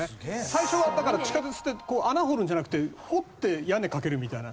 最初はだから地下鉄って穴掘るんじゃなくて掘って屋根かけるみたいな。